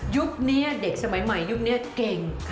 ยุคนี้เด็กสมัยใหม่ยุคนี้เก่ง